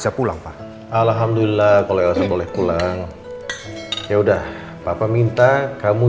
tapi masalahnya saya sudah sangat percaya dengan papa